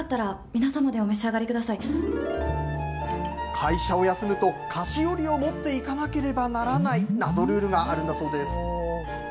会社を休むと、菓子折を持っていかなければならない謎ルールがあるんだそうです。